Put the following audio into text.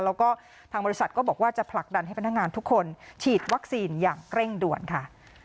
แล้วก็ทางบริษัทก็บอกว่าจะผลักดันให้พนักงานทุกคนฉีดวัคซีนอย่างเร่งด่วนค่ะ